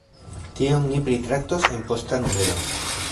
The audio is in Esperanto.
Tion ni pritraktos en posta numero.